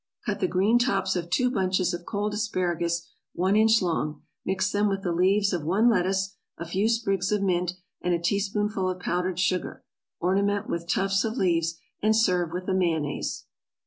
= Cut the green tops of two bunches of cold asparagus one inch long, mix them with the leaves of one lettuce, a few sprigs of mint, and a teaspoonful of powdered sugar, ornament with tufts of leaves, and serve with a Mayonnaise.